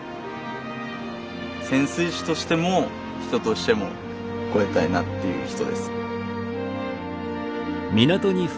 潜水士としても人としても超えたいなっていう人です。